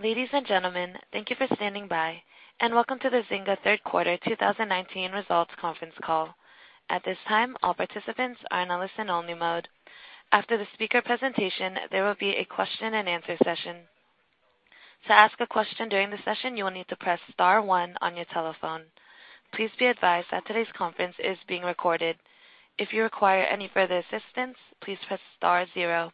Ladies and gentlemen, thank you for standing by, and welcome to the Zynga Third Quarter 2019 Results Conference Call. At this time, all participants are in a listen-only mode. After the speaker presentation, there will be a question and answer session. To ask a question during the session, you will need to press star one on your telephone. Please be advised that today's conference is being recorded. If you require any further assistance, please press star zero.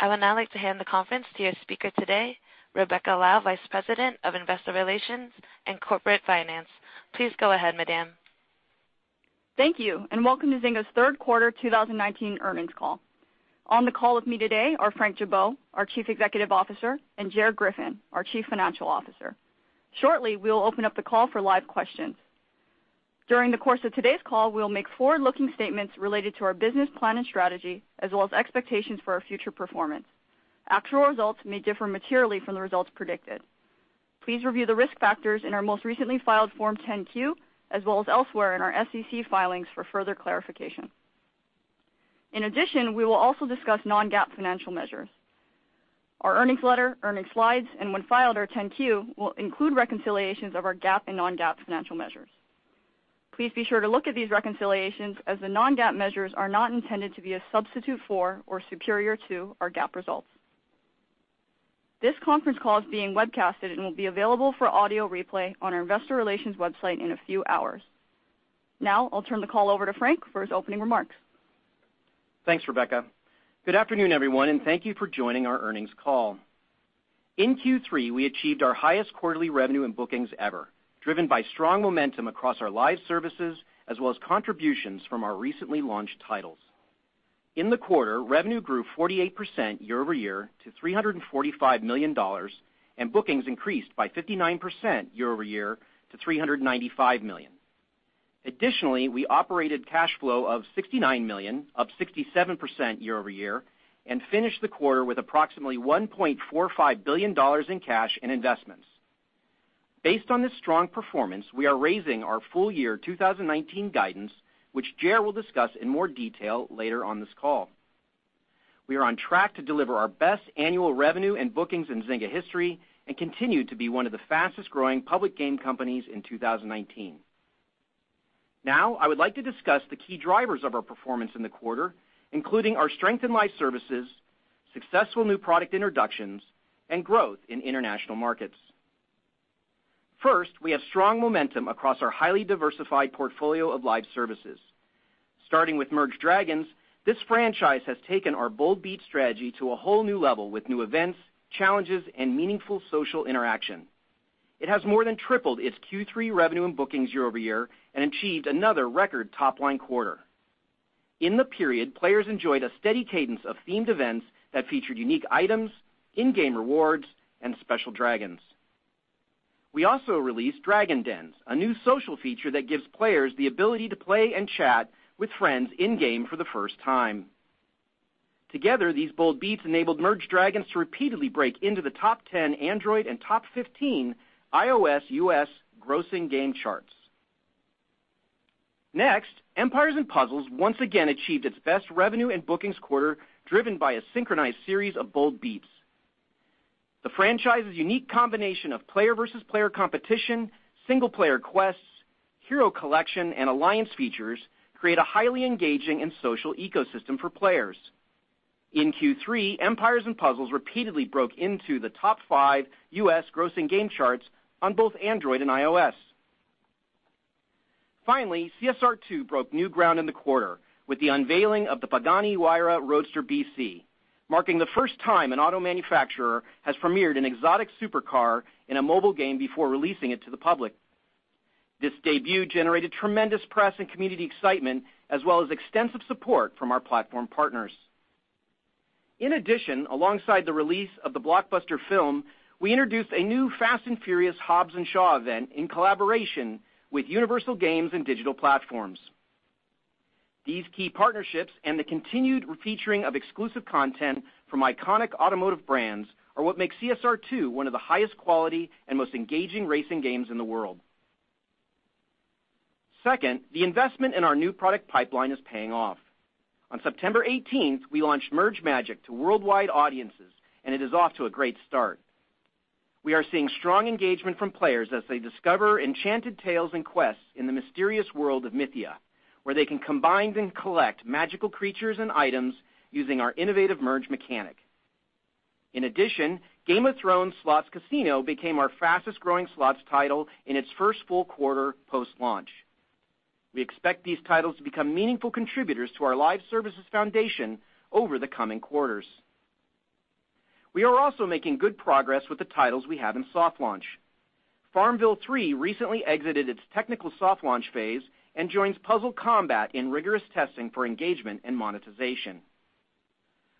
I would now like to hand the conference to your speaker today, Rebecca Lau, Vice President of Investor Relations and Corporate Finance. Please go ahead, madam. Thank you, welcome to Zynga's Third Quarter 2019 Earnings Call. On the call with me today are Frank Gibeau, our Chief Executive Officer, and Gerard Griffin, our Chief Financial Officer. Shortly, we'll open up the call for live questions. During the course of today's call, we'll make forward-looking statements related to our business plan and strategy, as well as expectations for our future performance. Actual results may differ materially from the results predicted. Please review the risk factors in our most recently filed Form 10-Q, as well as elsewhere in our SEC filings for further clarification. In addition, we will also discuss non-GAAP financial measures. Our earnings letter, earnings slides, and when filed, our 10-Q, will include reconciliations of our GAAP and non-GAAP financial measures. Please be sure to look at these reconciliations as the non-GAAP measures are not intended to be a substitute for or superior to our GAAP results. This conference call is being webcasted and will be available for audio replay on our investor relations website in a few hours. Now, I'll turn the call over to Frank for his opening remarks. Thanks, Rebecca. Good afternoon, everyone, and thank you for joining our earnings call. In Q3, we achieved our highest quarterly revenue in bookings ever, driven by strong momentum across our live services, as well as contributions from our recently launched titles. In the quarter, revenue grew 48% year-over-year to $345 million, and bookings increased by 59% year-over-year to $395 million. We operated cash flow of $69 million, up 67% year-over-year, and finished the quarter with approximately $1.45 billion in cash and investments. Based on this strong performance, we are raising our full year 2019 guidance, which Gerard will discuss in more detail later on this call. We are on track to deliver our best annual revenue and bookings in Zynga history and continue to be one of the fastest-growing public game companies in 2019. Now, I would like to discuss the key drivers of our performance in the quarter, including our strength in live services, successful new product introductions, and growth in international markets. First, we have strong momentum across our highly diversified portfolio of live services. Starting with Merge Dragons!, this franchise has taken our bold beat strategy to a whole new level with new events, challenges, and meaningful social interaction. It has more than tripled its Q3 revenue and bookings year-over-year and achieved another record top-line quarter. In the period, players enjoyed a steady cadence of themed events that featured unique items, in-game rewards, and special dragons. We also released Dragon Dens, a new social feature that gives players the ability to play and chat with friends in-game for the first time. Together, these bold beats enabled Merge Dragons! to repeatedly break into the top 10 Android and top 15 iOS U.S. grossing game charts. Next, Empires & Puzzles once again achieved its best revenue and bookings quarter, driven by a synchronized series of bold beats. The franchise's unique combination of player versus player competition, single player quests, hero collection, and alliance features create a highly engaging and social ecosystem for players. In Q3, Empires & Puzzles repeatedly broke into the top 5 U.S. grossing game charts on both Android and iOS. Finally, CSR2 broke new ground in the quarter with the unveiling of the Pagani Huayra Roadster BC, marking the first time an auto manufacturer has premiered an exotic supercar in a mobile game before releasing it to the public. This debut generated tremendous press and community excitement, as well as extensive support from our platform partners. Alongside the release of the blockbuster film, we introduced a new Fast & Furious: Hobbs & Shaw event in collaboration with Universal Games and Digital Platforms. These key partnerships and the continued featuring of exclusive content from iconic automotive brands are what makes CSR2 one of the highest quality and most engaging racing games in the world. Second, the investment in our new product pipeline is paying off. On September 18th, we launched Merge Magic! to worldwide audiences, and it is off to a great start. We are seeing strong engagement from players as they discover enchanted tales and quests in the mysterious world of Mythia, where they can combine and collect magical creatures and items using our innovative merge mechanic. Game of Thrones Slots Casino became our fastest-growing slots title in its first full quarter post-launch. We expect these titles to become meaningful contributors to our live services foundation over the coming quarters. We are also making good progress with the titles we have in soft launch. FarmVille 3 recently exited its technical soft launch phase and joins Puzzle Combat in rigorous testing for engagement and monetization.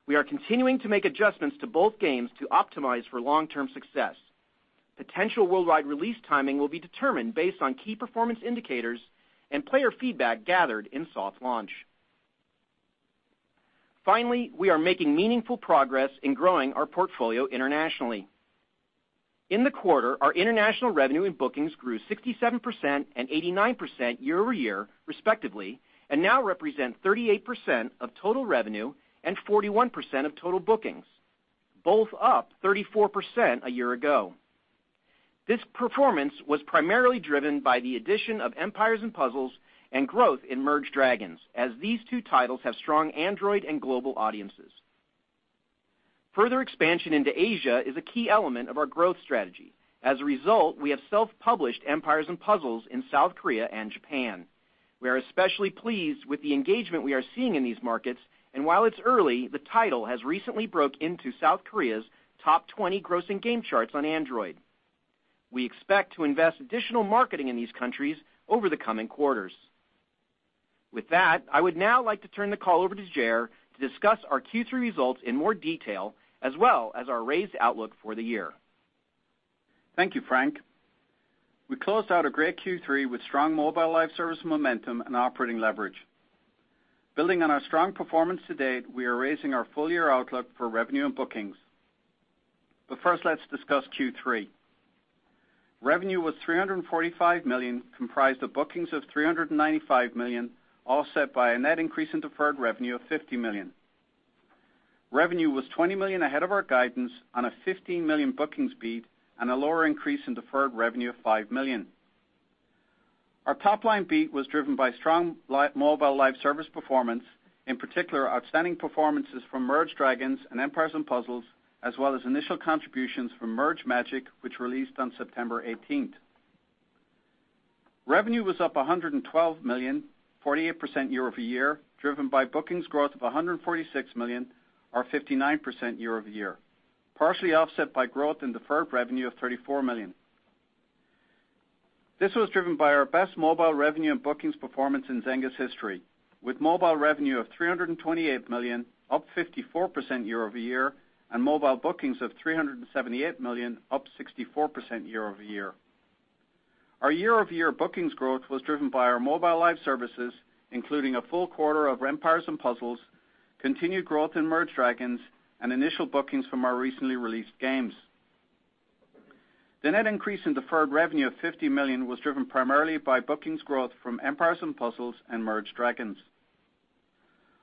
We are continuing to make adjustments to both games to optimize for long-term success. Potential worldwide release timing will be determined based on key performance indicators and player feedback gathered in soft launch. We are making meaningful progress in growing our portfolio internationally. In the quarter, our international revenue and bookings grew 67% and 89% year-over-year, respectively, and now represent 38% of total revenue and 41% of total bookings, both up 34% a year ago. This performance was primarily driven by the addition of Empires & Puzzles and growth in Merge Dragons!, as these two titles have strong Android and global audiences. Further expansion into Asia is a key element of our growth strategy. As a result, we have self-published Empires & Puzzles in South Korea and Japan. We are especially pleased with the engagement we are seeing in these markets, and while it's early, the title has recently broke into South Korea's top 20 grossing game charts on Android. We expect to invest additional marketing in these countries over the coming quarters. With that, I would now like to turn the call over to Ger to discuss our Q3 results in more detail as well as our raised outlook for the year. Thank you, Frank. We closed out a great Q3 with strong mobile live service momentum and operating leverage. Building on our strong performance to date, we are raising our full-year outlook for revenue and bookings. First, let's discuss Q3. Revenue was $345 million, comprised of bookings of $395 million, offset by a net increase in deferred revenue of $50 million. Revenue was $20 million ahead of our guidance on a $15 million bookings beat and a lower increase in deferred revenue of $5 million. Our top-line beat was driven by strong mobile live service performance, in particular, outstanding performances from Merge Dragons! and Empires & Puzzles, as well as initial contributions from Merge Magic!, which released on September 18th. Revenue was up $112 million, 48% year-over-year, driven by bookings growth of $146 million or 59% year-over-year, partially offset by growth in deferred revenue of $34 million. This was driven by our best mobile revenue and bookings performance in Zynga's history, with mobile revenue of $328 million, up 54% year-over-year, and mobile bookings of $378 million, up 64% year-over-year. Our year-over-year bookings growth was driven by our mobile live services, including a full quarter of Empires & Puzzles, continued growth in Merge Dragons!, and initial bookings from our recently released games. The net increase in deferred revenue of $50 million was driven primarily by bookings growth from Empires & Puzzles and Merge Dragons!.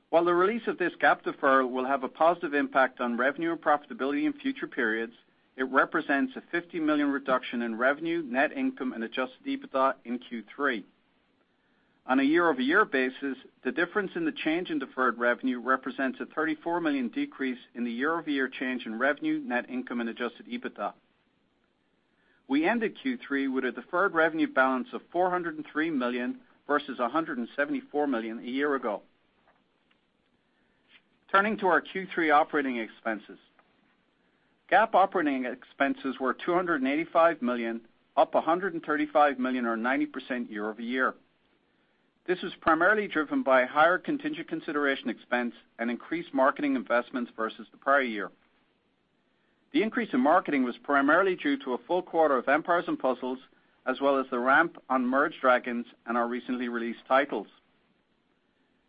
While the release of this GAAP deferral will have a positive impact on revenue and profitability in future periods, it represents a $50 million reduction in revenue, net income and adjusted EBITDA in Q3. On a year-over-year basis, the difference in the change in deferred revenue represents a $34 million decrease in the year-over-year change in revenue, net income and adjusted EBITDA. We ended Q3 with a deferred revenue balance of $403 million versus $174 million a year ago. Turning to our Q3 operating expenses. GAAP operating expenses were $285 million, up $135 million or 90% year-over-year. This was primarily driven by higher contingent consideration expense and increased marketing investments versus the prior year. The increase in marketing was primarily due to a full quarter of Empires & Puzzles, as well as the ramp on Merge Dragons! and our recently released titles.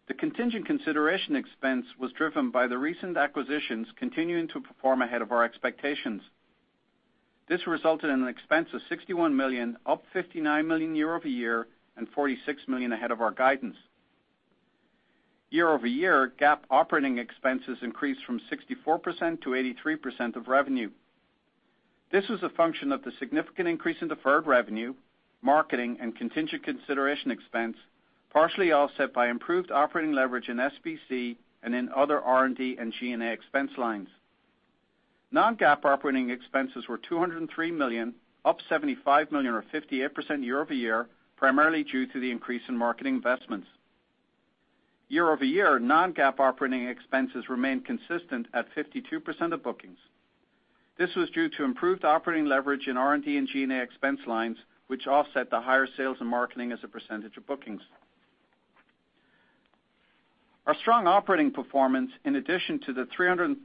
The contingent consideration expense was driven by the recent acquisitions continuing to perform ahead of our expectations. This resulted in an expense of $61 million, up $59 million year-over-year and $46 million ahead of our guidance. Year-over-year, GAAP operating expenses increased from 64% to 83% of revenue. This was a function of the significant increase in deferred revenue, marketing and contingent consideration expense, partially offset by improved operating leverage in SBC and in other R&D and G&A expense lines. Non-GAAP operating expenses were $203 million, up $75 million or 58% year-over-year, primarily due to the increase in marketing investments. Year-over-year, non-GAAP operating expenses remained consistent at 52% of bookings. This was due to improved operating leverage in R&D and G&A expense lines, which offset the higher sales and marketing as a percentage of bookings. Our strong operating performance, in addition to the $314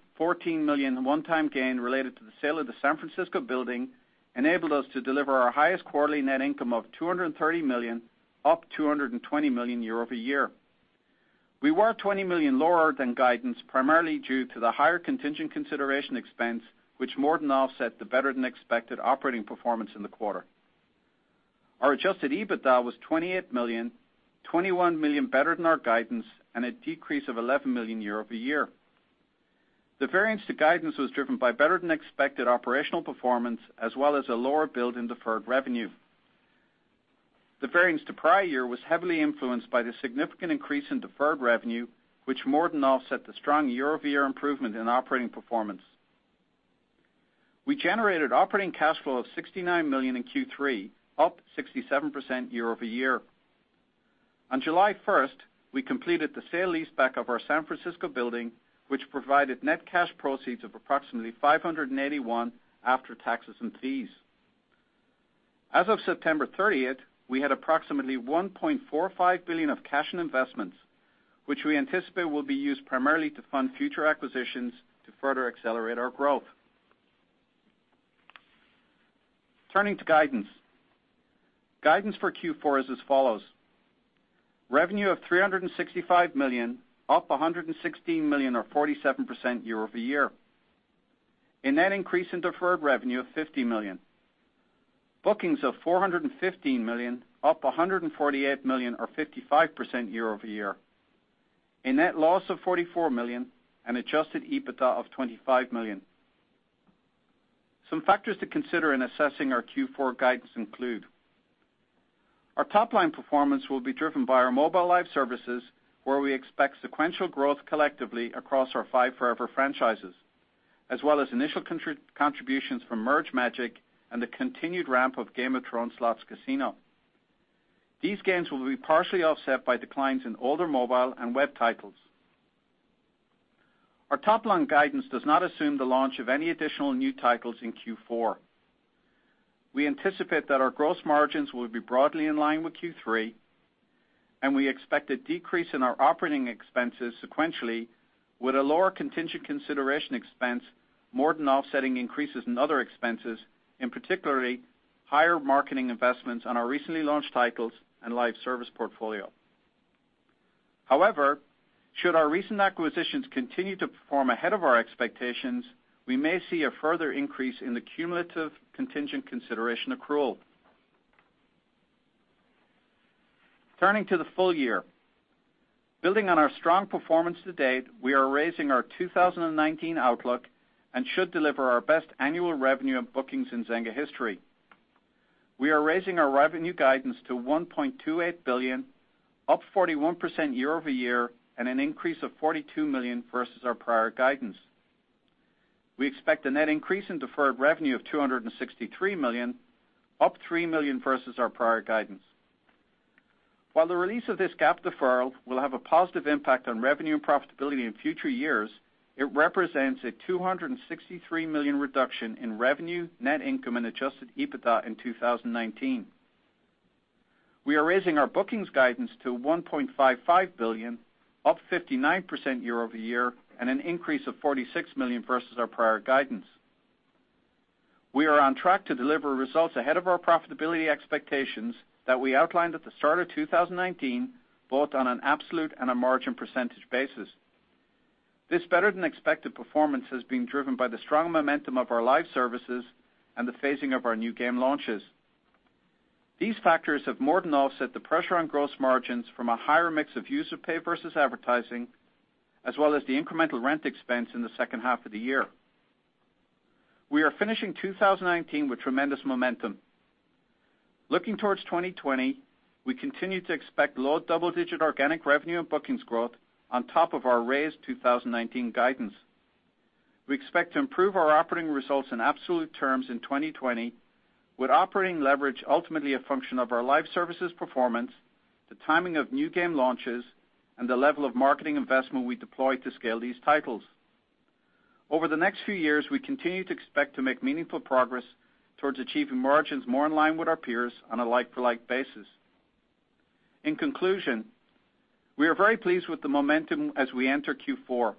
million one-time gain related to the sale of the San Francisco building, enabled us to deliver our highest quarterly net income of $230 million, up $220 million year-over-year. We were $20 million lower than guidance, primarily due to the higher contingent consideration expense, which more than offset the better-than-expected operating performance in the quarter. Our adjusted EBITDA was $28 million, $21 million better than our guidance, and a decrease of $11 million year-over-year. The variance to guidance was driven by better-than-expected operational performance as well as a lower build in deferred revenue. The variance to prior year was heavily influenced by the significant increase in deferred revenue, which more than offset the strong year-over-year improvement in operating performance. We generated operating cash flow of $69 million in Q3, up 67% year-over-year. On July 1st, we completed the sale leaseback of our San Francisco building, which provided net cash proceeds of approximately $581 million after taxes and fees. As of September 30th, we had approximately $1.45 billion of cash in investments, which we anticipate will be used primarily to fund future acquisitions to further accelerate our growth. Turning to guidance. Guidance for Q4 is as follows: revenue of $365 million, up $116 million or 47% year-over-year. A net increase in deferred revenue of $50 million. Bookings of $415 million, up $148 million or 55% year-over-year. A net loss of $44 million and adjusted EBITDA of $25 million. Some factors to consider in assessing our Q4 guidance include: Our top-line performance will be driven by our mobile live services, where we expect sequential growth collectively across our five forever franchises, as well as initial contributions from Merge Magic! and the continued ramp of Game of Thrones Slots Casino. These gains will be partially offset by declines in older mobile and web titles. Our top-line guidance does not assume the launch of any additional new titles in Q4. We anticipate that our gross margins will be broadly in line with Q3, and we expect a decrease in our operating expenses sequentially with a lower contingent consideration expense, more than offsetting increases in other expenses, in particular, higher marketing investments on our recently launched titles and live service portfolio. However, should our recent acquisitions continue to perform ahead of our expectations, we may see a further increase in the cumulative contingent consideration accrual. Turning to the full year. Building on our strong performance to date, we are raising our 2019 outlook and should deliver our best annual revenue and bookings in Zynga history. We are raising our revenue guidance to $1.28 billion, up 41% year-over-year and an increase of $42 million versus our prior guidance. We expect a net increase in deferred revenue of $263 million, up $3 million versus our prior guidance. While the release of this GAAP deferral will have a positive impact on revenue and profitability in future years, it represents a $263 million reduction in revenue, net income, and adjusted EBITDA in 2019. We are raising our bookings guidance to $1.55 billion, up 59% year-over-year and an increase of $46 million versus our prior guidance. We are on track to deliver results ahead of our profitability expectations that we outlined at the start of 2019, both on an absolute and a margin percentage basis. This better-than-expected performance has been driven by the strong momentum of our live services and the phasing of our new game launches. These factors have more than offset the pressure on gross margins from a higher mix of user pay versus advertising, as well as the incremental rent expense in the second half of the year. We are finishing 2019 with tremendous momentum. Looking towards 2020, we continue to expect low double-digit organic revenue and bookings growth on top of our raised 2019 guidance. We expect to improve our operating results in absolute terms in 2020, with operating leverage ultimately a function of our live services performance, the timing of new game launches, and the level of marketing investment we deploy to scale these titles. Over the next few years, we continue to expect to make meaningful progress towards achieving margins more in line with our peers on a like-for-like basis. In conclusion, we are very pleased with the momentum as we enter Q4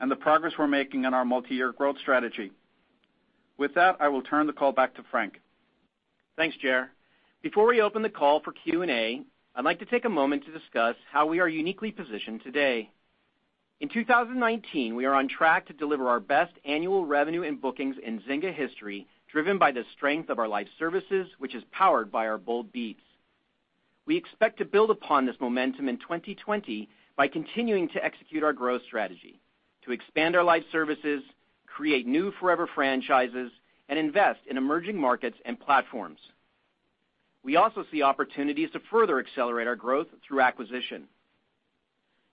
and the progress we're making on our multi-year growth strategy. With that, I will turn the call back to Frank. Thanks, Ger. Before we open the call for Q&A, I'd like to take a moment to discuss how we are uniquely positioned today. In 2019, we are on track to deliver our best annual revenue and bookings in Zynga history, driven by the strength of our live services, which is powered by our bold bets. We expect to build upon this momentum in 2020 by continuing to execute our growth strategy, to expand our live services, create new forever franchises, and invest in emerging markets and platforms. We also see opportunities to further accelerate our growth through acquisition.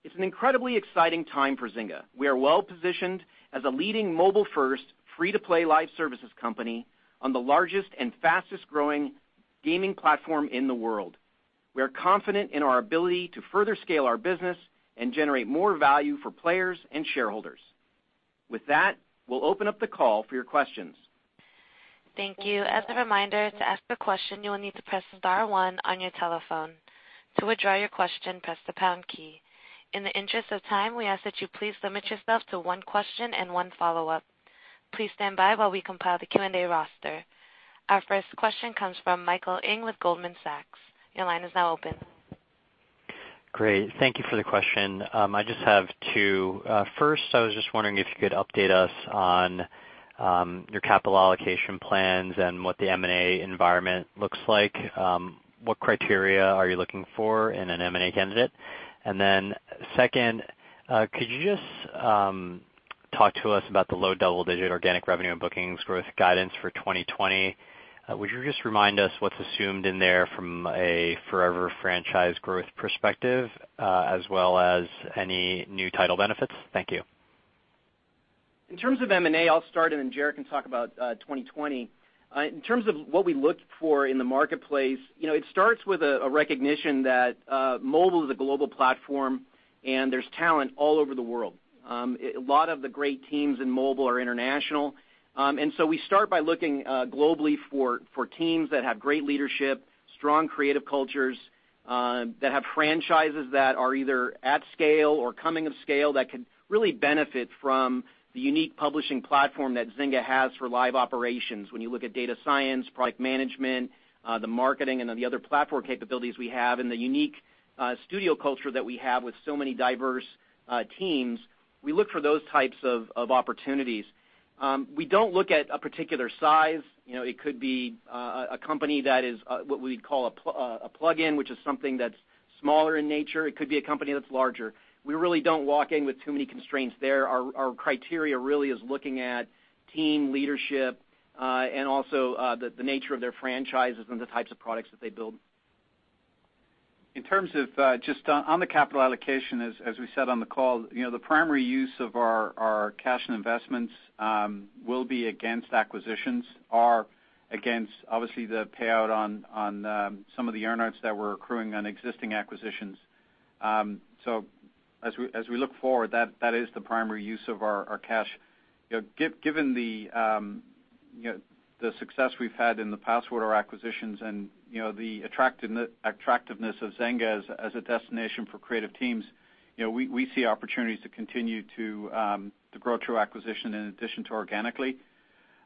It's an incredibly exciting time for Zynga. We are well-positioned as a leading mobile-first, free-to-play live services company on the largest and fastest-growing gaming platform in the world. We are confident in our ability to further scale our business and generate more value for players and shareholders. With that, we'll open up the call for your questions. Thank you. As a reminder, to ask a question, you will need to press star one on your telephone. To withdraw your question, press the pound key. In the interest of time, we ask that you please limit yourself to one question and one follow-up. Please stand by while we compile the Q&A roster. Our first question comes from Michael Ng with Goldman Sachs. Your line is now open. Great. Thank you for the question. I just have two. First, I was just wondering if you could update us on your capital allocation plans and what the M&A environment looks like. What criteria are you looking for in an M&A candidate? Second, could you just talk to us about the low double-digit organic revenue and bookings growth guidance for 2020? Would you just remind us what's assumed in there from a forever franchise growth perspective as well as any new title benefits? Thank you. In terms of M&A, I'll start and then Ger can talk about 2020. In terms of what we look for in the marketplace, it starts with a recognition that mobile is a global platform and there's talent all over the world. A lot of the great teams in mobile are international. We start by looking globally for teams that have great leadership, strong creative cultures That have franchises that are either at scale or coming of scale that can really benefit from the unique publishing platform that Zynga has for live operations. When you look at data science, product management, the marketing, and then the other platform capabilities we have, and the unique studio culture that we have with so many diverse teams, we look for those types of opportunities. We don't look at a particular size. It could be a company that is what we'd call a plug-in, which is something that's smaller in nature. It could be a company that's larger. We really don't walk in with too many constraints there. Our criteria really is looking at team leadership, and also the nature of their franchises and the types of products that they build. In terms of just on the capital allocation, as we said on the call, the primary use of our cash and investments will be against acquisitions or against, obviously, the payout on some of the earn-outs that we're accruing on existing acquisitions. As we look forward, that is the primary use of our cash. Given the success we've had in the past with our acquisitions and the attractiveness of Zynga as a destination for creative teams, we see opportunities to continue to grow through acquisition in addition to organically.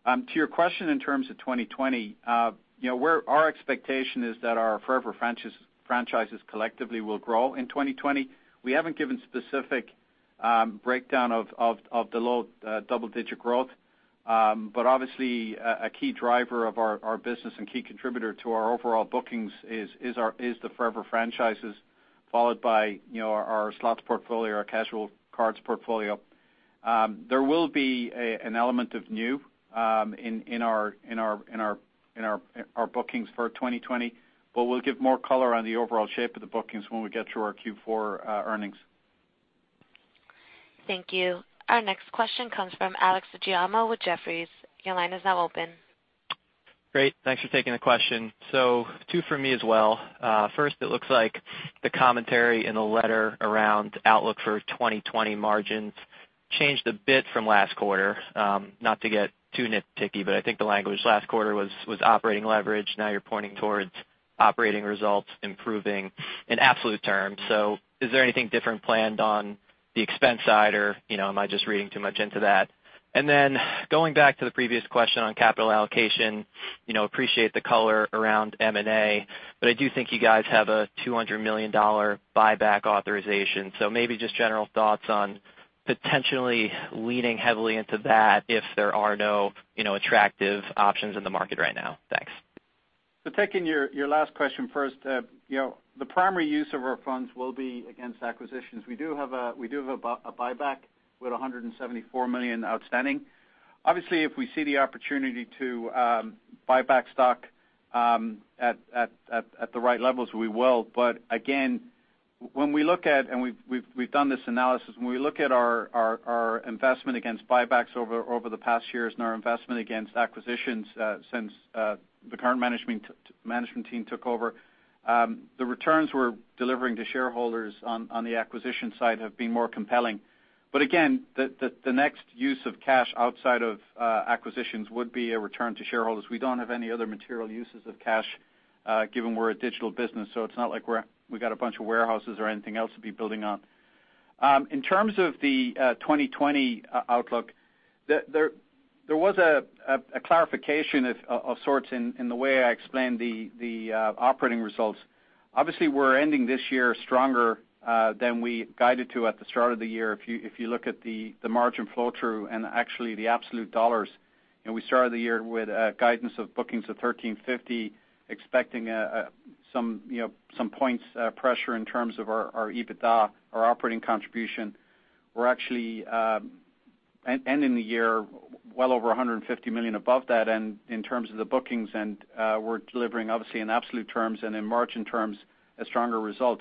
To your question in terms of 2020, our expectation is that our forever franchises collectively will grow in 2020. We haven't given specific breakdown of the low double-digit growth. Obviously a key driver of our business and key contributor to our overall bookings is the forever franchises, followed by our slots portfolio, our casual cards portfolio. There will be an element of new in our bookings for 2020, but we'll give more color on the overall shape of the bookings when we get to our Q4 earnings. Thank you. Our next question comes from Alex Giaimo with Jefferies. Your line is now open. Great. Thanks for taking the question. Two for me as well. First, it looks like the commentary in the letter around outlook for 2020 margins changed a bit from last quarter. Not to get too nitpicky, I think the language last quarter was operating leverage. Now you're pointing towards operating results improving in absolute terms. Is there anything different planned on the expense side, or am I just reading too much into that? Going back to the previous question on capital allocation, appreciate the color around M&A, I do think you guys have a $200 million buyback authorization. Maybe just general thoughts on potentially leaning heavily into that if there are no attractive options in the market right now. Thanks. Taking your last question first, the primary use of our funds will be against acquisitions. We do have a buyback with $174 million outstanding. Obviously, if we see the opportunity to buy back stock at the right levels, we will. Again, when we look at, and we've done this analysis, when we look at our investment against buybacks over the past years and our investment against acquisitions since the current management team took over, the returns we're delivering to shareholders on the acquisition side have been more compelling. Again, the next use of cash outside of acquisitions would be a return to shareholders. We don't have any other material uses of cash given we're a digital business, so it's not like we got a bunch of warehouses or anything else to be building out. In terms of the 2020 outlook, there was a clarification of sorts in the way I explained the operating results. Obviously, we're ending this year stronger than we guided to at the start of the year if you look at the margin flow-through and actually the absolute dollars. We started the year with a guidance of bookings of 1,350, expecting some points pressure in terms of our EBITDA, our operating contribution. We're actually ending the year well over $150 million above that in terms of the bookings, and we're delivering, obviously, in absolute terms and in margin terms, a stronger result.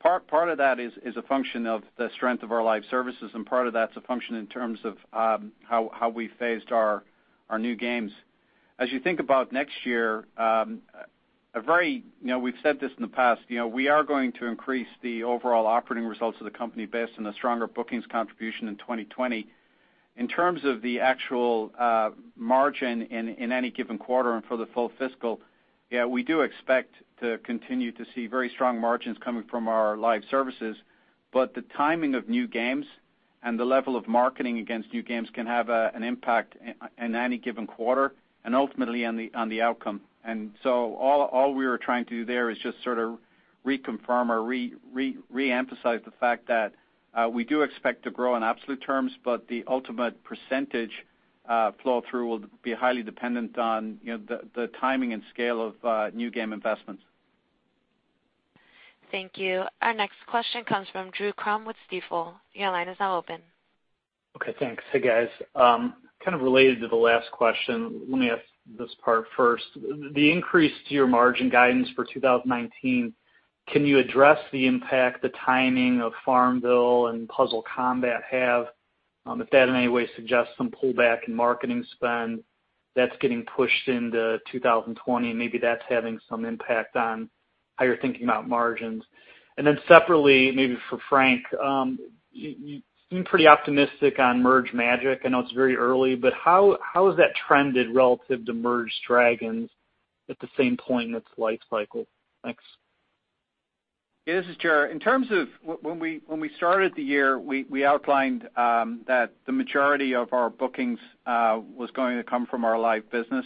Part of that is a function of the strength of our live services, and part of that's a function in terms of how we phased our new games. As you think about next year, we've said this in the past, we are going to increase the overall operating results of the company based on the stronger bookings contribution in 2020. In terms of the actual margin in any given quarter and for the full fiscal, we do expect to continue to see very strong margins coming from our live services. The timing of new games and the level of marketing against new games can have an impact in any given quarter and ultimately on the outcome. All we are trying to do there is just sort of reconfirm or re-emphasize the fact that we do expect to grow in absolute terms, but the ultimate percentage flow-through will be highly dependent on the timing and scale of new game investments. Thank you. Our next question comes from Drew Crum with Stifel. Your line is now open. Okay, thanks. Hey, guys. Kind of related to the last question, let me ask this part first. The increase to your margin guidance for 2019, can you address the impact the timing of FarmVille and Puzzle Combat have? If that in any way suggests some pullback in marketing spend that's getting pushed into 2020, and maybe that's having some impact on how you're thinking about margins. Separately, maybe for Frank, you seem pretty optimistic on Merge Magic!. I know it's very early, how has that trended relative to Merge Dragons! at the same point in its life cycle? Thanks. This is Gerard. When we started the year, we outlined that the majority of our bookings was going to come from our live business.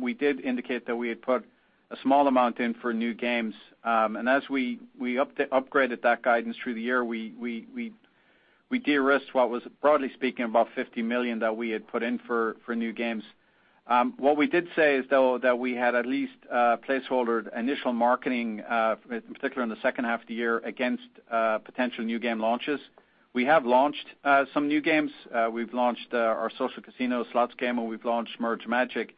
We did indicate that we had put a small amount in for new games, and as we upgraded that guidance through the year, we de-risked what was, broadly speaking, about $50 million that we had put in for new games. What we did say is, though, that we had at least placeholder initial marketing, in particular in the second half of the year, against potential new game launches. We have launched some new games. We've launched our social casino slots game, and we've launched Merge Magic!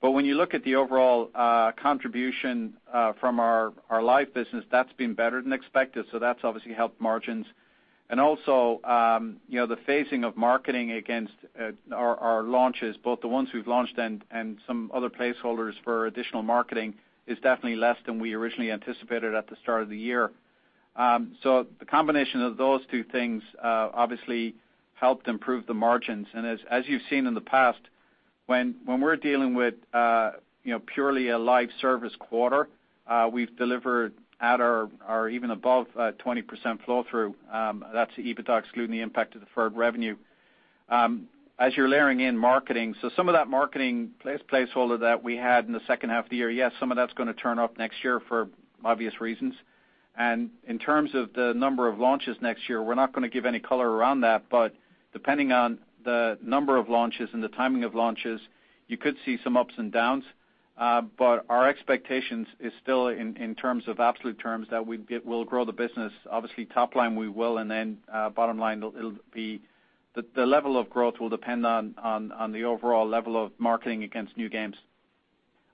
When you look at the overall contribution from our live business, that's been better than expected, so that's obviously helped margins. The phasing of marketing against our launches, both the ones we've launched and some other placeholders for additional marketing, is definitely less than we originally anticipated at the start of the year. The combination of those two things obviously helped improve the margins. As you've seen in the past, when we're dealing with purely a live service quarter, we've delivered at or even above a 20% flow-through. That's EBITDA excluding the impact of deferred revenue. As you're layering in marketing, so some of that marketing placeholder that we had in the second half of the year, yes, some of that's going to turn up next year for obvious reasons. In terms of the number of launches next year, we're not going to give any color around that. Depending on the number of launches and the timing of launches, you could see some ups and downs. Our expectations is still in terms of absolute terms that we'll grow the business. Obviously, top line we will, and then bottom line, the level of growth will depend on the overall level of marketing against new games.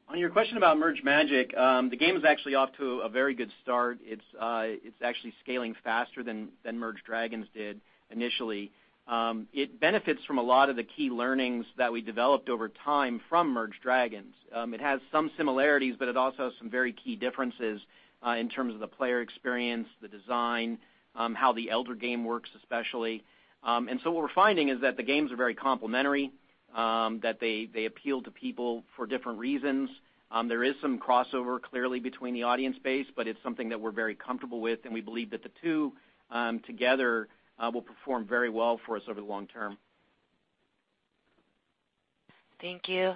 On your question about Merge Magic!, the game is actually off to a very good start. It's actually scaling faster than Merge Dragons! did initially. It benefits from a lot of the key learnings that we developed over time from Merge Dragons!. It has some similarities, but it also has some very key differences in terms of the player experience, the design, how the elder game works, especially. What we're finding is that the games are very complementary, that they appeal to people for different reasons. There is some crossover clearly between the audience base, but it's something that we're very comfortable with, and we believe that the two together will perform very well for us over the long term. Thank you.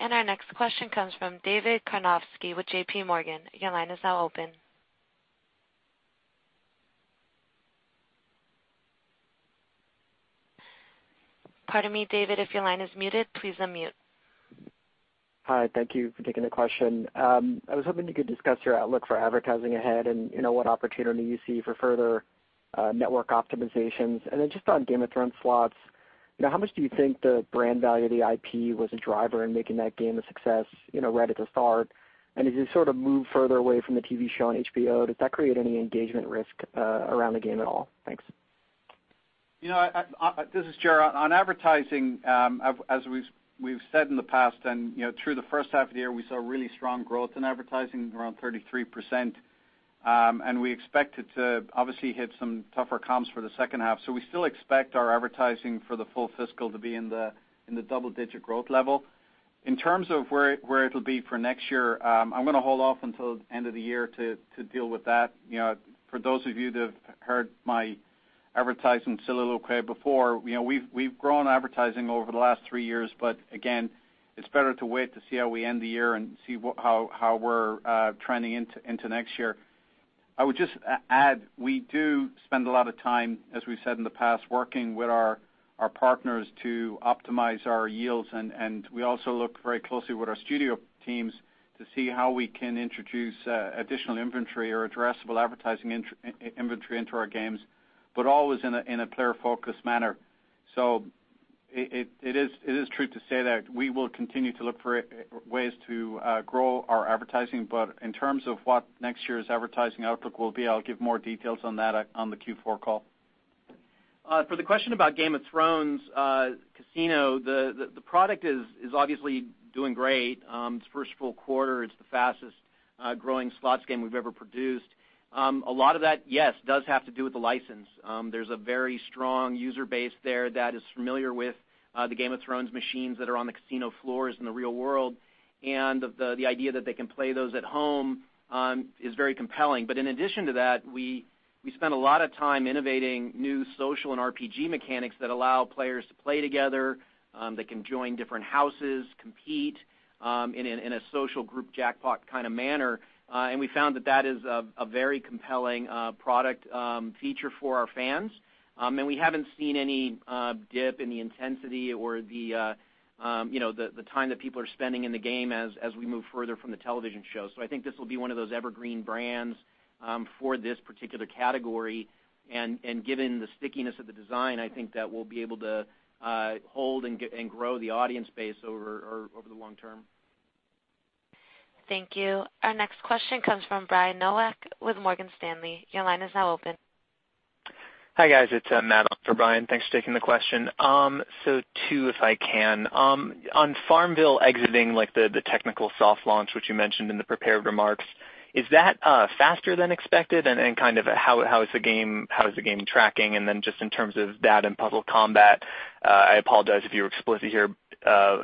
Our next question comes from David Karnovsky with J.P. Morgan. Your line is now open. Pardon me, David, if your line is muted, please unmute. Hi, thank you for taking the question. I was hoping you could discuss your outlook for advertising ahead and what opportunity you see for further network optimizations. Just on Game of Thrones Slots, how much do you think the brand value of the IP was a driver in making that game a success right at the start? As you sort of move further away from the TV show on HBO, does that create any engagement risk around the game at all? Thanks. This is Gerard. On advertising, as we've said in the past and through the first half of the year, we saw really strong growth in advertising, around 33%, and we expect it to obviously hit some tougher comps for the second half. We still expect our advertising for the full fiscal to be in the double-digit growth level. In terms of where it'll be for next year, I'm going to hold off until the end of the year to deal with that. For those of you that have heard my advertising soliloquy before, we've grown advertising over the last three years, but again, it's better to wait to see how we end the year and see how we're trending into next year. I would just add, we do spend a lot of time, as we've said in the past, working with our partners to optimize our yields, and we also look very closely with our studio teams to see how we can introduce additional inventory or addressable advertising inventory into our games, but always in a player-focused manner. It is true to say that we will continue to look for ways to grow our advertising. In terms of what next year's advertising outlook will be, I'll give more details on that on the Q4 call. For the question about Game of Thrones Slots Casino, the product is obviously doing great. Its first full quarter, it's the fastest-growing slots game we've ever produced. A lot of that, yes, does have to do with the license. There's a very strong user base there that is familiar with the Game of Thrones machines that are on the casino floors in the real world, and the idea that they can play those at home is very compelling. In addition to that, we spent a lot of time innovating new social and RPG mechanics that allow players to play together. They can join different houses, compete in a social group jackpot kind of manner, and we found that that is a very compelling product feature for our fans. We haven't seen any dip in the intensity or the time that people are spending in the game as we move further from the television show. I think this will be one of those evergreen brands for this particular category. Given the stickiness of the design, I think that we'll be able to hold and grow the audience base over the long term. Thank you. Our next question comes from Brian Nowak with Morgan Stanley. Your line is now open. Hi, guys. It's Matt on for Brian. Thanks for taking the question. Two, if I can. On FarmVille exiting the technical soft launch, which you mentioned in the prepared remarks, is that faster than expected? How is the game tracking? Just in terms of that and Puzzle Combat, I apologize if you were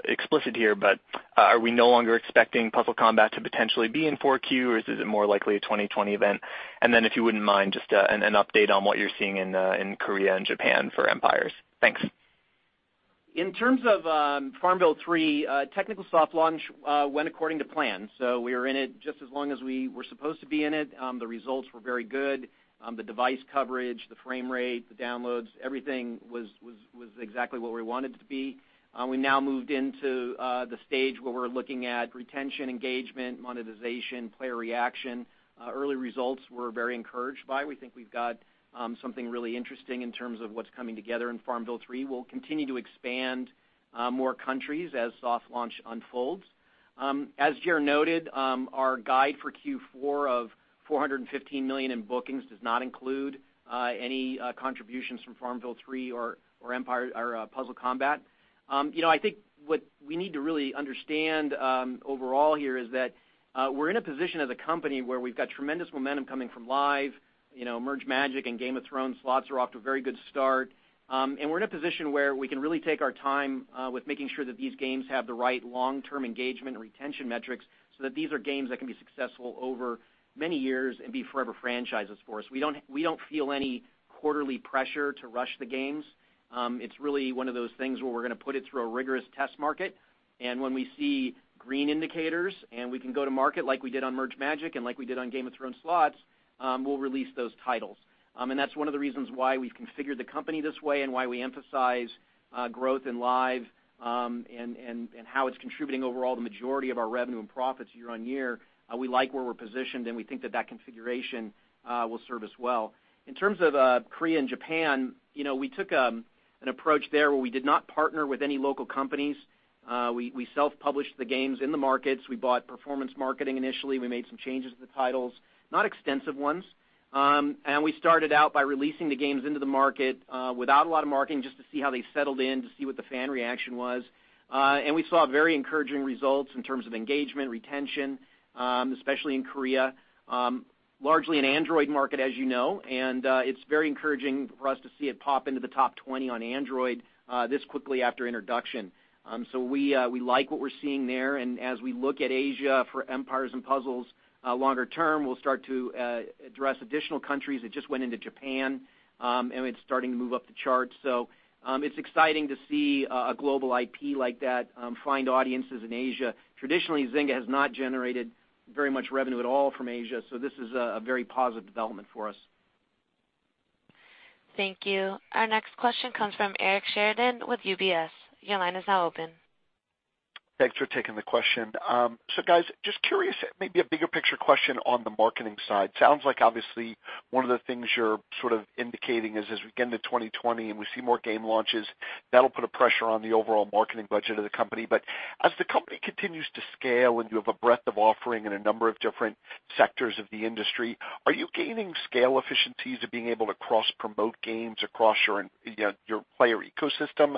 explicit here, but are we no longer expecting Puzzle Combat to potentially be in 4Q, or is it more likely a 2020 event? If you wouldn't mind, just an update on what you're seeing in Korea and Japan for Empires. Thanks. In terms of FarmVille 3, technical soft launch went according to plan. We were in it just as long as we were supposed to be in it. The results were very good. The device coverage, the frame rate, the downloads, everything was exactly what we wanted it to be. We now moved into the stage where we're looking at retention, engagement, monetization, player reaction. Early results we're very encouraged by. We think we've got something really interesting in terms of what's coming together in FarmVille 3. We'll continue to expand more countries as soft launch unfolds. As Gerard noted, our guide for Q4 of $415 million in bookings does not include any contributions from FarmVille 3 or Puzzle Combat. I think what we need to really understand overall here is that we're in a position as a company where we've got tremendous momentum coming from live, Merge Magic, and Game of Thrones slots are off to a very good start. We're in a position where we can really take our time with making sure that these games have the right long-term engagement and retention metrics, so that these are games that can be successful over many years and be forever franchises for us. We don't feel any quarterly pressure to rush the games. It's really one of those things where we're going to put it through a rigorous test market, and when we see green indicators and we can go to market like we did on Merge Magic and like we did on Game of Thrones slots, we'll release those titles. That's one of the reasons why we've configured the company this way and why we emphasize growth in live and how it's contributing overall the majority of our revenue and profits year-on-year. We like where we're positioned, and we think that that configuration will serve us well. In terms of Korea and Japan, we took an approach there where we did not partner with any local companies. We self-published the games in the markets. We bought performance marketing initially. We made some changes to the titles, not extensive ones. We started out by releasing the games into the market without a lot of marketing, just to see how they settled in, to see what the fan reaction was. We saw very encouraging results in terms of engagement, retention, especially in Korea. Largely an Android market, as you know, it's very encouraging for us to see it pop into the top 20 on Android this quickly after introduction. We like what we're seeing there. As we look at Asia for Empires & Puzzles longer term, we'll start to address additional countries. It just went into Japan, it's starting to move up the charts. It's exciting to see a global IP like that find audiences in Asia. Traditionally, Zynga has not generated very much revenue at all from Asia, this is a very positive development for us. Thank you. Our next question comes from Eric Sheridan with UBS. Your line is now open. Thanks for taking the question. Guys, just curious, maybe a bigger picture question on the marketing side. Sounds like obviously one of the things you're sort of indicating is as we get into 2020 and we see more game launches, that'll put a pressure on the overall marketing budget of the company. As the company continues to scale and you have a breadth of offering in a number of different sectors of the industry, are you gaining scale efficiencies of being able to cross-promote games across your player ecosystem?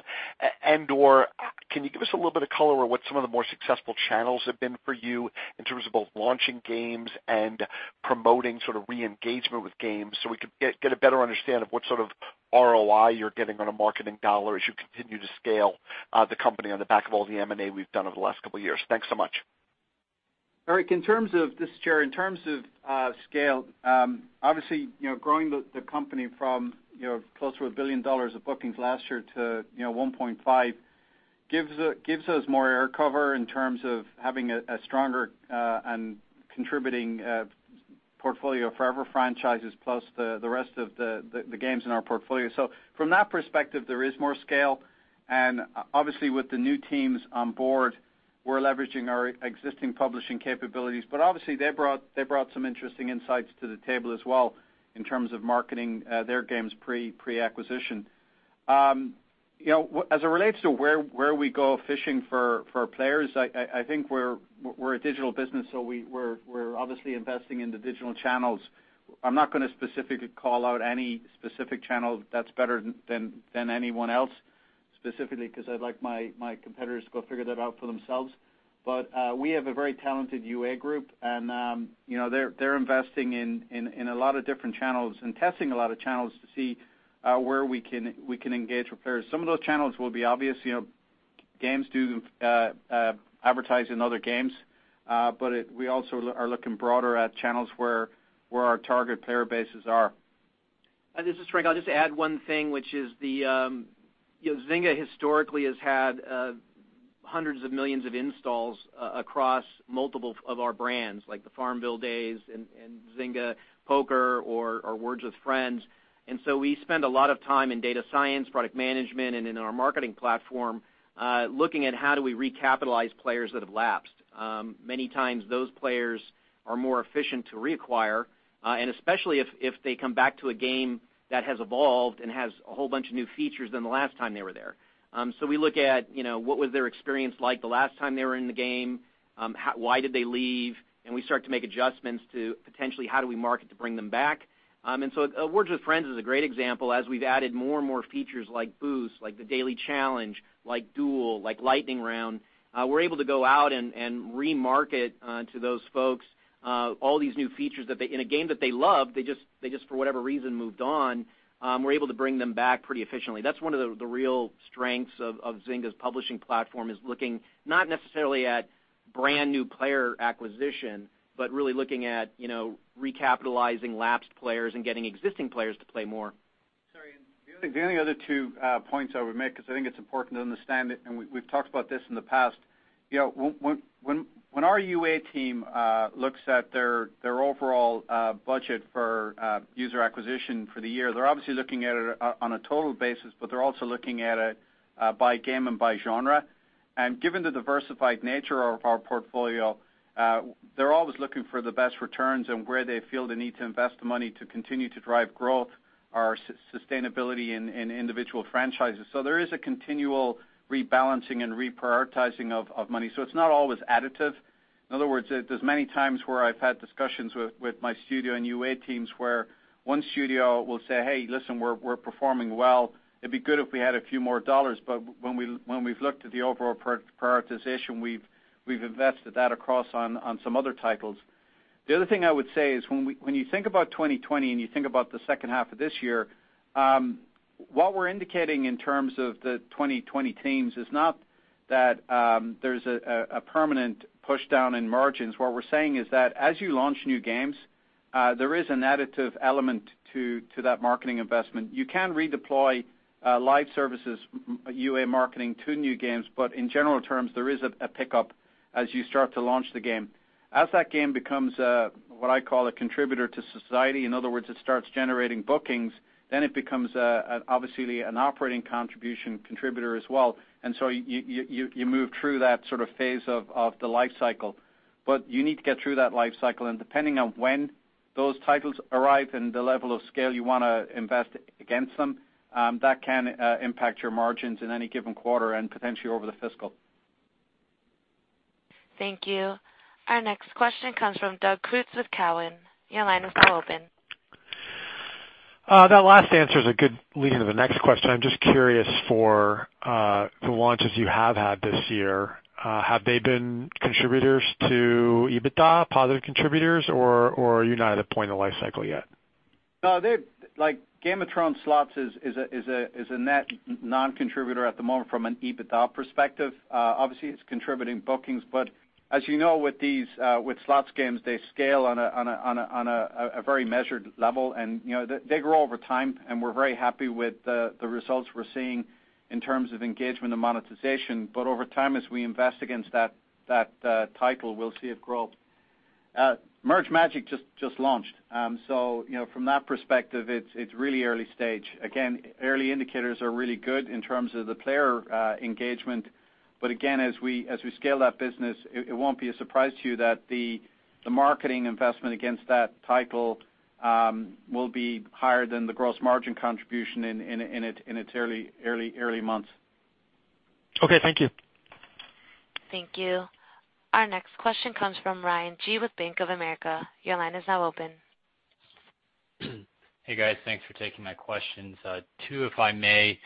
Can you give us a little bit of color on what some of the more successful channels have been for you in terms of both launching games and promoting sort of re-engagement with games so we could get a better understanding of what sort of ROI you're getting on a marketing dollar as you continue to scale the company on the back of all the M&A we've done over the last couple of years? Thanks so much. Eric, this is Gerard. In terms of scale, obviously, growing the company from close to $1 billion of bookings last year to $1.5 gives us more air cover in terms of having a stronger and contributing portfolio of forever franchises plus the rest of the games in our portfolio. From that perspective, there is more scale. Obviously, with the new teams on board, we're leveraging our existing publishing capabilities. Obviously, they brought some interesting insights to the table as well in terms of marketing their games pre-acquisition. As it relates to where we go fishing for players, I think we're a digital business, so we're obviously investing in the digital channels. I'm not going to specifically call out any specific channel that's better than anyone else specifically because I'd like my competitors to go figure that out for themselves. We have a very talented UA group, and they're investing in a lot of different channels and testing a lot of channels to see where we can engage with players. Some of those channels will be obvious. Games do advertise in other games, but we also are looking broader at channels where our target player bases are. This is Frank. I'll just add one thing, which is Zynga historically has had hundreds of millions of installs across multiple of our brands, like the FarmVille days and Zynga Poker or Words with Friends. We spend a lot of time in data science, product management, and in our marketing platform looking at how do we recapitalize players that have lapsed. Many times those players are more efficient to reacquire, and especially if they come back to a game that has evolved and has a whole bunch of new features than the last time they were there. We look at what was their experience like the last time they were in the game, why did they leave, and we start to make adjustments to potentially how do we market to bring them back. Words with Friends is a great example. As we've added more and more features like Boost, like the Daily Challenge, like Duel, like Lightning Round, we're able to go out and re-market to those folks all these new features in a game that they love, they just, for whatever reason, moved on. We're able to bring them back pretty efficiently. That's one of the real strengths of Zynga's publishing platform is looking not necessarily at brand new player acquisition, but really looking at recapitalizing lapsed players and getting existing players to play more. Sorry, the only other two points I would make, because I think it's important to understand it, and we've talked about this in the past. When our UA team looks at their overall budget for user acquisition for the year, they're obviously looking at it on a total basis, but they're also looking at it by game and by genre. Given the diversified nature of our portfolio, they're always looking for the best returns and where they feel the need to invest the money to continue to drive growth or sustainability in individual franchises. There is a continual rebalancing and reprioritizing of money. It's not always additive. In other words, there's many times where I've had discussions with my studio and UA teams where one studio will say, "Hey, listen, we're performing well. It'd be good if we had a few more dollars. When we've looked at the overall prioritization, we've invested that across on some other titles. The other thing I would say is when you think about 2020 and you think about the second half of this year, what we're indicating in terms of the 2020 teams is not that there's a permanent push down in margins. What we're saying is that as you launch new games, there is an additive element to that marketing investment. You can redeploy live services UA marketing to new games, but in general terms, there is a pickup as you start to launch the game. As that game becomes a, what I call a contributor to society, in other words, it starts generating bookings, then it becomes obviously an operating contribution contributor as well. You move through that sort of phase of the life cycle. You need to get through that life cycle, and depending on when those titles arrive and the level of scale you want to invest against them, that can impact your margins in any given quarter and potentially over the fiscal. Thank you. Our next question comes from Doug Creutz with Cowen. Your line is now open. That last answer is a good lead-in to the next question. I'm just curious for the launches you have had this year, have they been contributors to EBITDA, positive contributors, or are you not at a point in the life cycle yet? Gamatron Slots is a net non-contributor at the moment from an EBITDA perspective. It's contributing bookings, as you know, with slots games, they scale on a very measured level, they grow over time, we're very happy with the results we're seeing in terms of engagement and monetization. Over time, as we invest against that title, we'll see it grow. Merge Magic! just launched, from that perspective, it's really early stage. Early indicators are really good in terms of the player engagement. Again, as we scale that business, it won't be a surprise to you that the marketing investment against that title will be higher than the gross margin contribution in its early months. Okay. Thank you. Thank you. Our next question comes from Ryan Gee with Bank of America. Your line is now open. Hey, guys. Thanks for taking my questions. Two, if I may.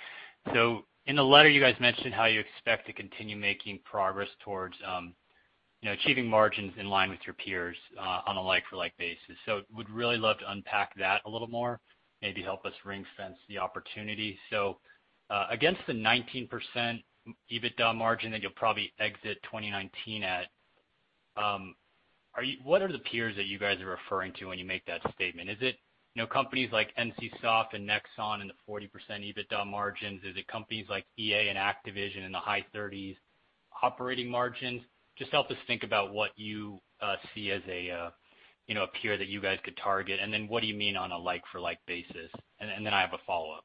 In the letter, you guys mentioned how you expect to continue making progress towards achieving margins in line with your peers on a like-for-like basis. Would really love to unpack that a little more, maybe help us ring-fence the opportunity. Against the 19% EBITDA margin that you'll probably exit 2019 at, what are the peers that you guys are referring to when you make that statement? Is it companies like NCSoft and Nexon in the 40% EBITDA margins? Is it companies like EA and Activision in the high 30s operating margins? Just help us think about what you see as a peer that you guys could target, and then what do you mean on a like-for-like basis? I have a follow-up.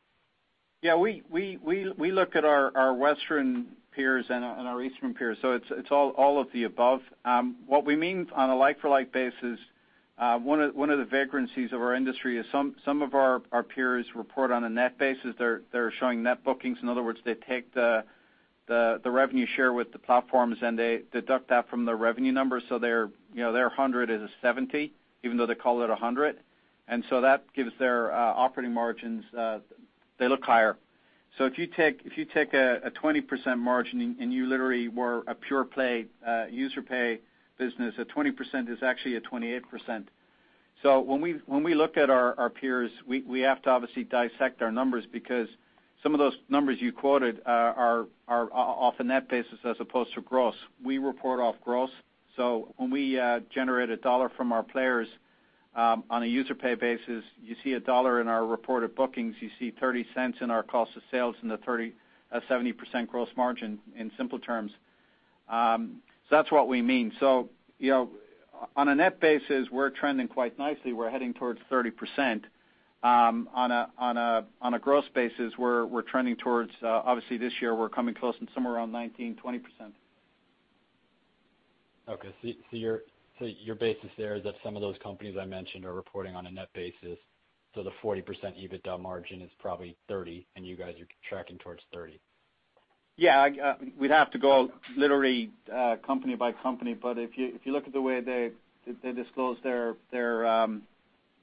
We look at our Western peers and our Eastern peers, it's all of the above. What we mean on a like-for-like basis, one of the vagrancies of our industry is some of our peers report on a net basis. They're showing net bookings. In other words, they take the revenue share with the platforms, and they deduct that from their revenue numbers. Their 100 is a 70, even though they call it 100. That gives their operating margins, they look higher. If you take a 20% margin and you literally were a pure play user pay business, a 20% is actually a 28%. When we look at our peers, we have to obviously dissect our numbers because some of those numbers you quoted are off a net basis as opposed to gross. We report off gross. When we generate $1 from our players on a user pay basis, you see $1 in our reported bookings, you see $0.30 in our cost of sales and a 70% gross margin in simple terms. That's what we mean. On a net basis, we're trending quite nicely. We're heading towards 30%. On a gross basis, we're trending towards, obviously this year, we're coming close to somewhere around 19%-20%. Okay. Your basis there is that some of those companies I mentioned are reporting on a net basis, the 40% EBITDA margin is probably 30, and you guys are tracking towards 30. Yeah. We'd have to go literally company by company. If you look at the way they disclose their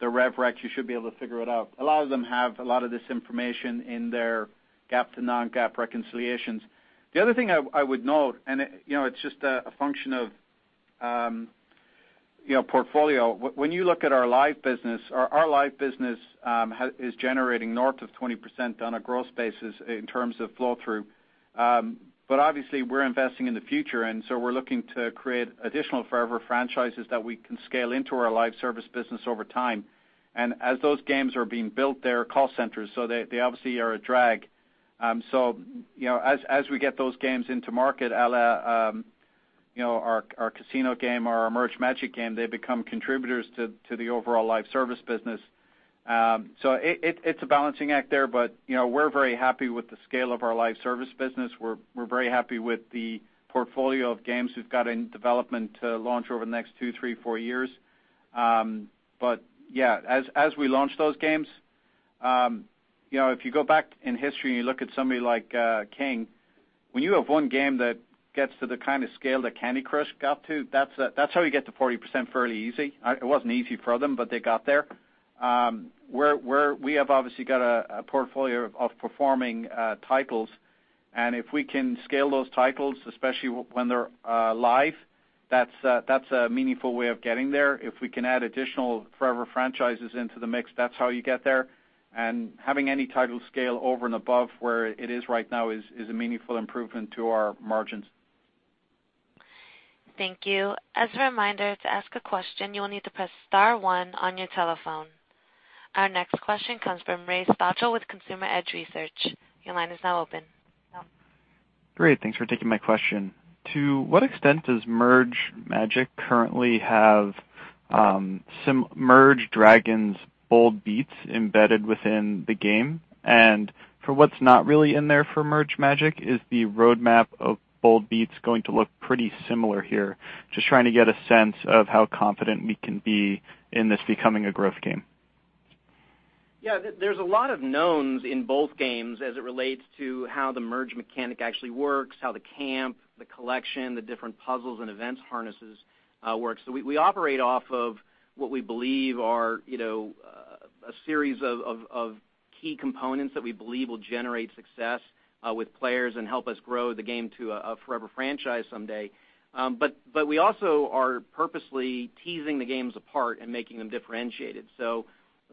Revenue Recognition, you should be able to figure it out. A lot of them have a lot of this information in their GAAP to non-GAAP reconciliations. The other thing I would note, it's just a function of portfolio. When you look at our live business, our live business is generating north of 20% on a growth basis in terms of flow-through. Obviously we're investing in the future, we're looking to create additional forever franchises that we can scale into our live service business over time. As those games are being built, they are call centers, they obviously are a drag. As we get those games into market, a la our Casino game, our Merge Magic! game, they become contributors to the overall live service business. It's a balancing act there, but we're very happy with the scale of our live service business. We're very happy with the portfolio of games we've got in development to launch over the next two, three, four years. Yeah, as we launch those games, if you go back in history and you look at somebody like King, when you have one game that gets to the kind of scale that Candy Crush got to, that's how you get to 40% fairly easy. It wasn't easy for them, but they got there. We have obviously got a portfolio of performing titles, and if we can scale those titles, especially when they're live, that's a meaningful way of getting there. If we can add additional forever franchises into the mix, that's how you get there. Having any title scale over and above where it is right now is a meaningful improvement to our margins. Thank you. As a reminder, to ask a question, you will need to press star 1 on your telephone. Our next question comes from Ray Stochel with Consumer Edge Research. Your line is now open. Great. Thanks for taking my question. To what extent does Merge Magic! currently have some Merge Dragons! bold beats embedded within the game? For what's not really in there for Merge Magic!, is the roadmap of bold beats going to look pretty similar here? Just trying to get a sense of how confident we can be in this becoming a growth game. Yeah, there's a lot of knowns in both games as it relates to how the merge mechanic actually works, how the camp, the collection, the different puzzles and events harnesses work. We operate off of what we believe are a series of key components that we believe will generate success with players and help us grow the game to a forever franchise someday. We also are purposely teasing the games apart and making them differentiated.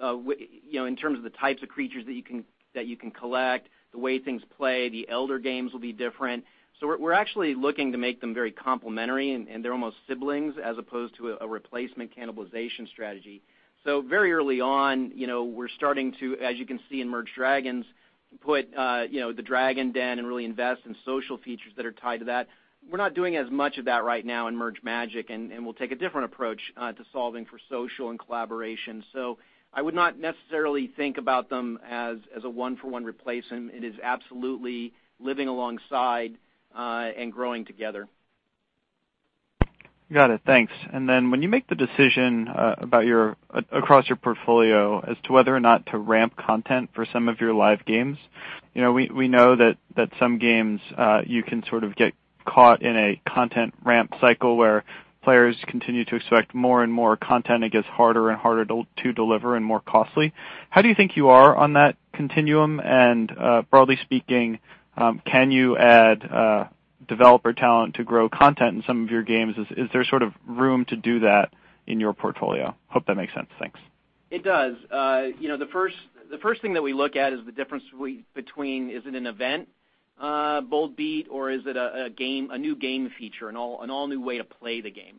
In terms of the types of creatures that you can collect, the way things play, the Elder games will be different. We're actually looking to make them very complementary, and they're almost siblings as opposed to a replacement cannibalization strategy. Very early on, we're starting to, as you can see in Merge Dragons!, put the dragon den and really invest in social features that are tied to that. We're not doing as much of that right now in Merge Magic!, and we'll take a different approach to solving for social and collaboration. I would not necessarily think about them as a one-for-one replacement. It is absolutely living alongside and growing together. Got it. Thanks. When you make the decision across your portfolio as to whether or not to ramp content for some of your live games, we know that some games you can sort of get caught in a content ramp cycle where players continue to expect more and more content. It gets harder and harder to deliver and more costly. How do you think you are on that continuum? Broadly speaking, can you add developer talent to grow content in some of your games? Is there sort of room to do that in your portfolio? Hope that makes sense. Thanks. It does. The first thing that we look at is the difference between, is it an event bold beat or is it a new game feature, an all-new way to play the game?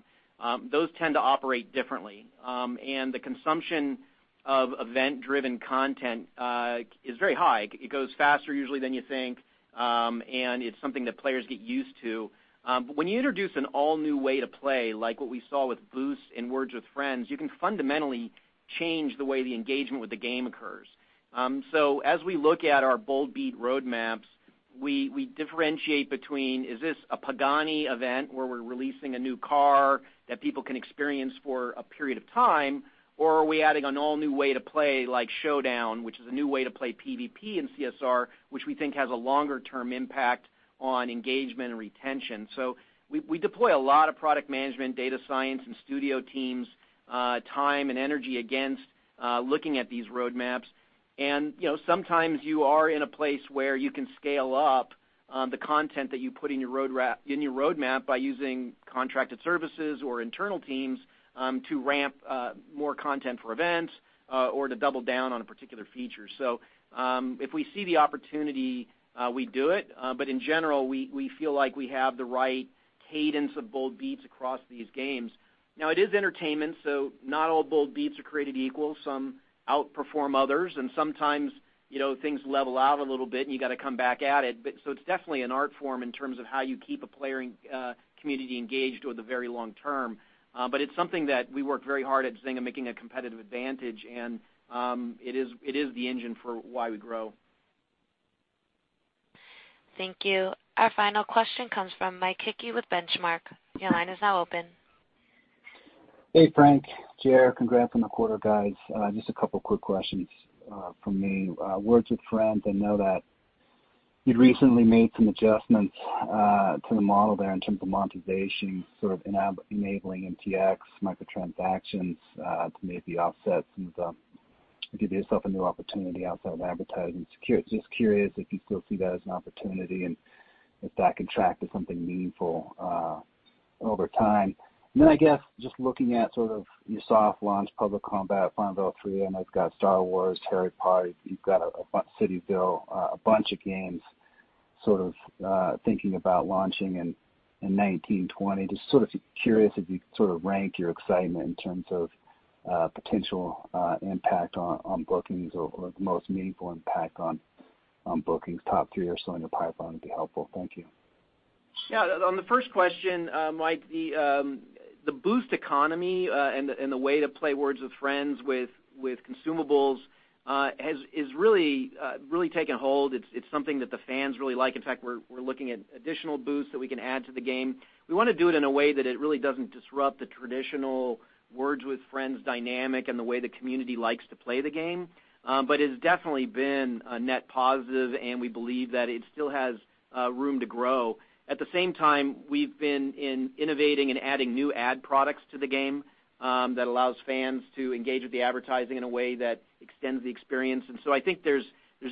Those tend to operate differently. The consumption of event-driven content is very high. It goes faster usually than you think, and it's something that players get used to. When you introduce an all-new way to play, like what we saw with Boost in Words with Friends, you can fundamentally change the way the engagement with the game occurs. As we look at our bold beat roadmaps, we differentiate between, is this a Pagani event where we're releasing a new car that people can experience for a period of time, or are we adding an all-new way to play like Showdown, which is a new way to play PVP in CSR, which we think has a longer-term impact on engagement and retention. We deploy a lot of product management, data science, and studio teams' time and energy against looking at these roadmaps. Sometimes you are in a place where you can scale up the content that you put in your roadmap by using contracted services or internal teams to ramp more content for events or to double down on a particular feature. If we see the opportunity, we do it. In general, we feel like we have the right cadence of bold beats across these games. Now it is entertainment, so not all bold beats are created equal. Some outperform others, and sometimes things level out a little bit and you got to come back at it. It's definitely an art form in terms of how you keep a player community engaged over the very long term. It's something that we work very hard at Zynga making a competitive advantage, and it is the engine for why we grow. Thank you. Our final question comes from Mike Hickey with Benchmark. Your line is now open. Hey, Frank, Ger. Congrats on the quarter, guys. Just a couple of quick questions from me. Words with Friends, I know that you'd recently made some adjustments to the model there in terms of monetization, sort of enabling MTX, microtransactions to maybe offset some of the advertising. Just curious if you still see that as an opportunity and if that can track to something meaningful over time. Then, I guess, just looking at sort of, you soft launched Puzzle Combat, FarmVille 3, and now you've got Star Wars, Harry Potter, you've got CityVille, a bunch of games sort of thinking about launching in 2019, 2020. Just sort of curious if you could sort of rank your excitement in terms of potential impact on bookings or the most meaningful impact on bookings, top 3 or so in your pipeline would be helpful. Thank you. Yeah. On the first question, Mike, the Boost economy and the way to play Words with Friends with consumables has really taken hold. It's something that the fans really like. In fact, we're looking at additional Boosts that we can add to the game. We want to do it in a way that it really doesn't disrupt the traditional Words with Friends dynamic and the way the community likes to play the game. It's definitely been a net positive, and we believe that it still has room to grow. At the same time, we've been innovating and adding new ad products to the game that allows fans to engage with the advertising in a way that extends the experience. I think there's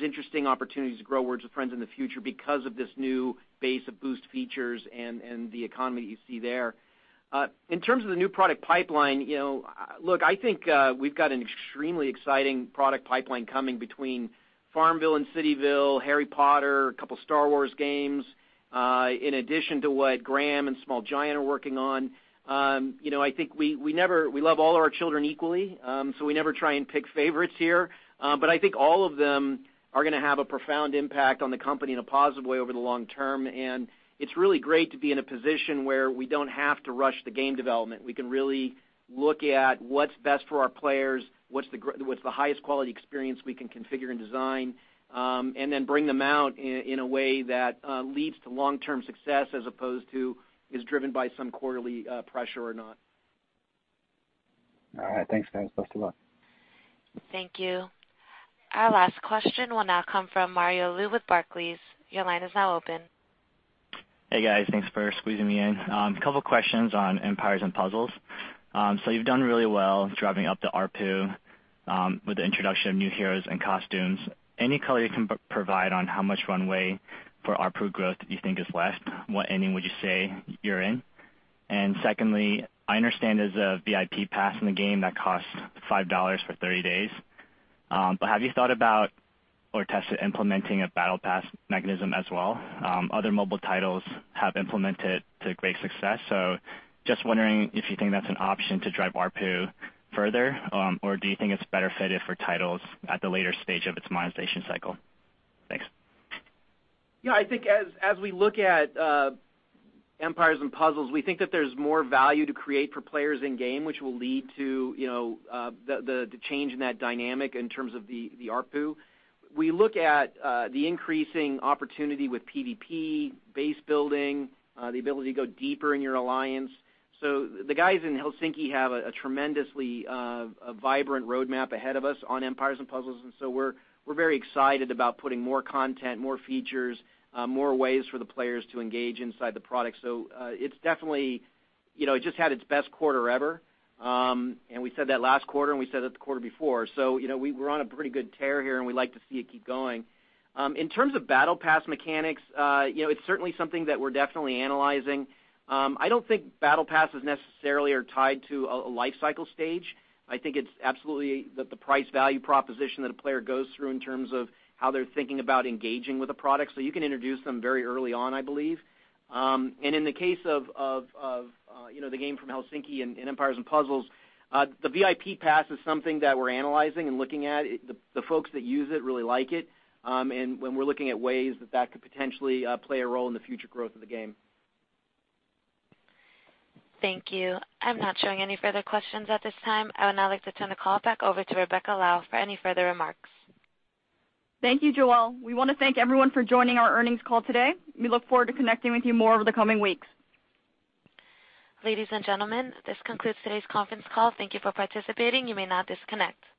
interesting opportunities to grow Words with Friends in the future because of this new base of Boost features and the economy that you see there. In terms of the new product pipeline, look, I think we've got an extremely exciting product pipeline coming between FarmVille and CityVille, Harry Potter, a couple Star Wars games, in addition to what Gram and Small Giant are working on. I think we love all our children equally, we never try and pick favorites here. I think all of them are going to have a profound impact on the company in a positive way over the long term. It's really great to be in a position where we don't have to rush the game development. We can really look at what's best for our players, what's the highest quality experience we can configure and design, and then bring them out in a way that leads to long-term success as opposed to is driven by some quarterly pressure or not. All right. Thanks, guys. Best of luck. Thank you. Our last question will now come from Mario Lu with Barclays. Your line is now open. Hey, guys. Thanks for squeezing me in. A couple of questions on Empires & Puzzles. You've done really well driving up the ARPU with the introduction of new heroes and costumes. Any color you can provide on how much runway for ARPU growth that you think is left? What inning would you say you're in? Secondly, I understand there's a VIP pass in the game that costs $5 for 30 days. Have you thought about or tested implementing a battle pass mechanism as well? Other mobile titles have implemented to great success. Just wondering if you think that's an option to drive ARPU further, or do you think it's better fitted for titles at the later stage of its monetization cycle? Thanks. I think as we look at Empires & Puzzles, we think that there's more value to create for players in-game, which will lead to the change in that dynamic in terms of the ARPU. We look at the increasing opportunity with PVP, base building, the ability to go deeper in your alliance. The guys in Helsinki have a tremendously vibrant roadmap ahead of us on Empires & Puzzles, we're very excited about putting more content, more features, more ways for the players to engage inside the product. It's definitely just had its best quarter ever, we said that last quarter, we said that the quarter before. We're on a pretty good tear here, we like to see it keep going. In terms of battle pass mechanics, it's certainly something that we're definitely analyzing. I don't think battle passes necessarily are tied to a life cycle stage. I think it's absolutely the price value proposition that a player goes through in terms of how they're thinking about engaging with a product. You can introduce them very early on, I believe. In the case of the game from Helsinki and Empires & Puzzles, the VIP pass is something that we're analyzing and looking at. The folks that use it really like it, and we're looking at ways that could potentially play a role in the future growth of the game. Thank you. I'm not showing any further questions at this time. I would now like to turn the call back over to Rebecca Lau for any further remarks. Thank you, [Joelle]. We want to thank everyone for joining our earnings call today. We look forward to connecting with you more over the coming weeks. Ladies and gentlemen, this concludes today's conference call. Thank you for participating. You may now disconnect.